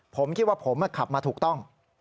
ผมคิดว่าผมขับมาถูกต้อง